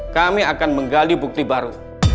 kami akan menggali bukti baru